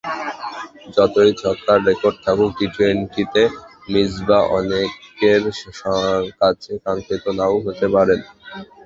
যতই ছক্কার রেকর্ড থাকুক, টি-টোয়েন্টিতে মিসবাহ অনেকের কাছে কাঙ্ক্ষিত নাও হতে পারেন।